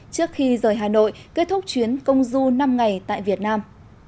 trước khi rời hà nội kết thúc chuyến công du năm ngày tại việt nam